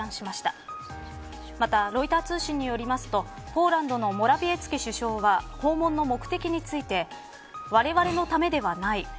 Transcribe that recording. またロイター通信によりますとポーランドのモラビエツキ首相は訪問の目的についてわれわれのためではない。